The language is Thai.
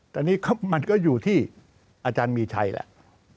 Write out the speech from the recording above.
แต่นี่มันก็อยู่ที่อาจารย์มีชัยแหละ